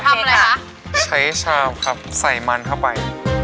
ทำอะไรคะใช้ชามครับใส่มันเข้าไป